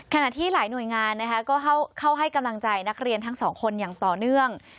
ขณะที่หลายหน่วยงานนะคะก็เข้าให้กำลังใจนักเรียนทั้งสองคนอย่างต่อเนื่อง